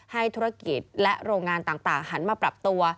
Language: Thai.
ให้ธุรกิจและโรงงานต่างหันมาปรับตัว